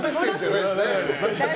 ないです。